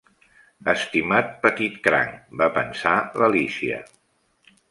"Estimat petit cranc!" va pensar l'Alícia.